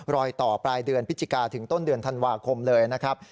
รอยต่อปลายเดือนพฤศจิกาถึงต้นเดือนธันวาคมเลยนะครับ